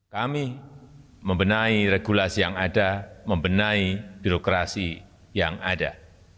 kami membenahi regulasi yang ada membenahi birokrasi yang ada